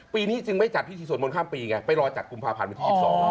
ปีนี้จึงไม่จัดพิธีสวดมนต์ข้ามปีไงไปรอจัดกุมภาพันธ์วันที่๒๒